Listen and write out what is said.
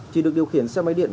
chỉ được điều khiển xe máy điện